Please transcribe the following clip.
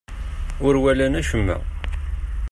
Ur walan acemma.